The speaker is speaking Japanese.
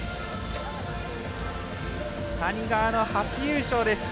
谷川の初優勝です。